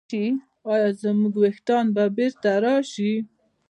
ایا زما ویښتان به بیرته راشي؟